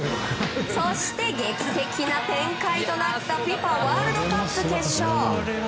そして劇的な展開となったＦＩＦＡワールドカップ決勝。